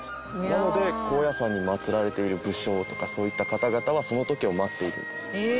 なので高野山に祭られている武将とかそういった方々はその時を待っているんです。